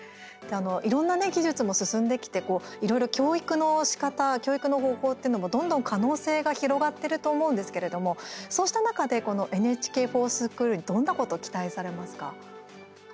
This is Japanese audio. いろんなね、技術も進んできていろいろ教育のしかた教育の方法というのもどんどん可能性が広がってると思うんですけれどもそうした中で「ＮＨＫｆｏｒＳｃｈｏｏｌ」にどんなことを期待されますか？